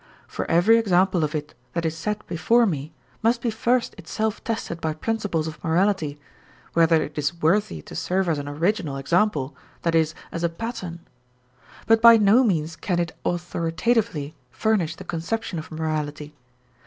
For every example of it that is set before me must be first itself tested by principles of morality, whether it is worthy to serve as an original example, i.e., as a pattern; but by no means can it authoritatively furnish the conception of morality.